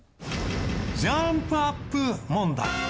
ジャンプアップ問題。